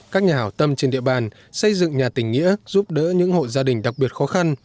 các nhà hảo tâm trên địa bàn xây dựng nhà tình nghĩa giúp đỡ những hộ gia đình đặc biệt khó khăn